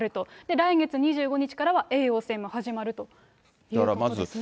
来月２５日からは叡王戦も始まるということですね。